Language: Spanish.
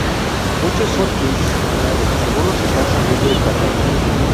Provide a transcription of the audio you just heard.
Muchos son indisciplinados; algunos están saliendo en pandillas.